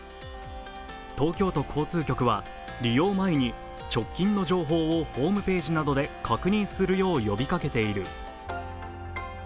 東京都交通局は利用前に直近の情報をホームページなどで確認するよう呼びかけている。